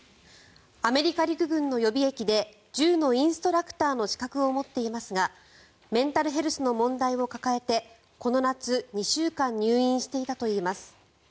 アメリカ陸軍の予備役で銃のインストラクターの資格を持っていますがメンタルヘルスの問題を抱えてこの夏２週間入院していたといいます。